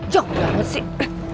jodoh banget sih